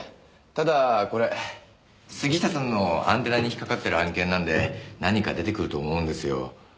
ただこれ杉下さんのアンテナに引っ掛かってる案件なんで何か出てくると思うんですよ。